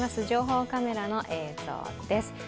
情報カメラの映像です。